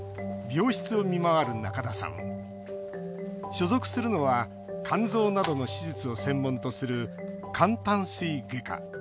所属するのは肝臓などの手術を専門とする肝胆膵外科。